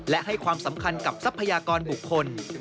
และให้ความสำคัญกับทรัพยากรบุคคล